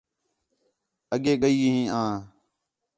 اڳے ڳئی ہیں آں